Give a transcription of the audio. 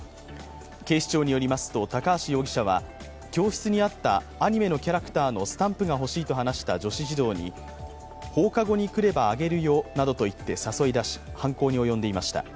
警視庁によりますと高橋容疑者はアニメのキャラクターのスタンプが欲しいと話した女子児童に放課後に来ればあげるよなどと言って誘い出し犯行に及んでいました。